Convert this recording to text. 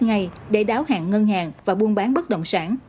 ngày để đáo hạng ngân hàng và buôn bán bất động sản